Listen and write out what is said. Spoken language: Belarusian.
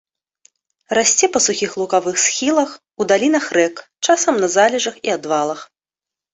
Расце па сухіх лугавых схілах, у далінах рэк, часам на залежах і адвалах.